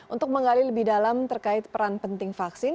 untuk menggali lebih dalam terkait peran penting vaksin